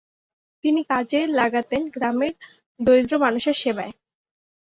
তিনি কাজে লাগাতেন গ্রামের দরিদ্র মানুষের সেবায়।